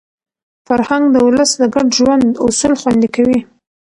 فرهنګ د ولس د ګډ ژوند اصول خوندي کوي.